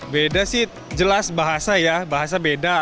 beda sih jelas bahasa ya bahasa beda